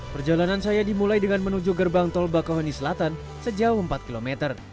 perjalanan saya dimulai dengan menuju gerbang tol bakahoni selatan sejauh empat km